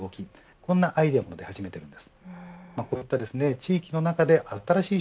こんなアイデアも出始めているんです。